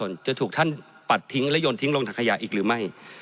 ภาคประชาชนจะถูกท่านปัดทิ้งและยนต์ทิ้งลงทางขยะอีกหรือไม่